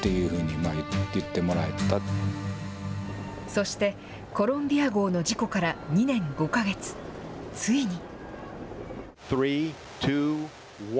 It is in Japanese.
そして、コロンビア号の事故から２年５か月、ついに。